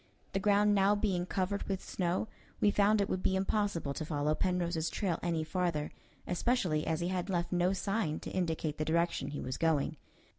The ground now being covered with snow, we found it would be impossible to follow Penrose's trail any farther, especially as he had left no sign to indicate the direction he was going.